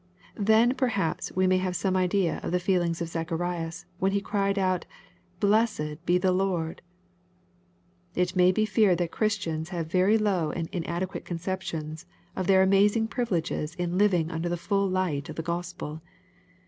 The nperhaps we may have some idea of the feelings of Zacharias when he cried out, " Blessed be the Lord." It may be feared that Christians have very low and inadequate conceptions of their amazing privileges in living under the full h'ght of the Gospel.